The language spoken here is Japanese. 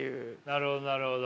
なるほどなるほど。